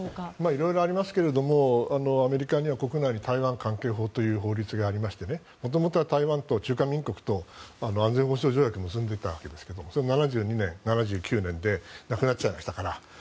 色々ありますがアメリカは国内に台湾関係法という法律がありまして元々は台湾と中華民国と安全保障条約を結んでいたわけですがそれは７２年、７９年でなくなっちゃいましたから。